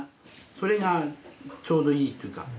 それがちょうどいいっていうか。